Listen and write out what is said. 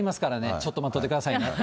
ちょっと待っとってくださいね。